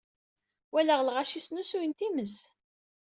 Waleɣ lɣaci snusuyen timest.